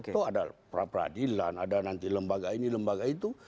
atau ada pra peradilan ada nanti lembaga ini lembaga itu